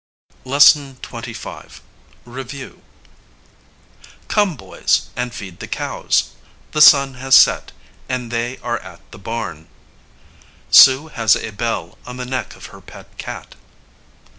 LESSON XXV. REVIEW. Come, boys, and feed the cows. The sun has set, and they are at the barn. Sue has a bell on the neck of her pet cat.